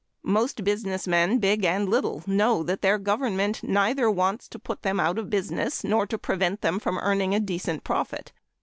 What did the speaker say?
Most businessmen, big and little, know that their government neither wants to put them out of business nor to prevent them from earning a decent profit.